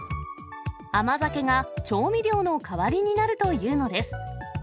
甘酒が調味料の代わりになるというのです。